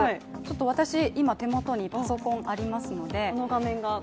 私、今、手元にパソコンがありますので。